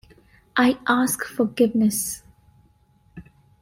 I ask forgiveness.